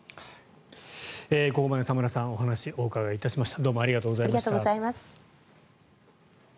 ここまで田村さんお話をお伺いいたしました。